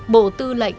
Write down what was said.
bộ tư lệnh